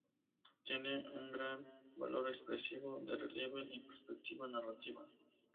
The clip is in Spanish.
Tiene un gran valor expresivo, de relieve y perspectiva narrativa.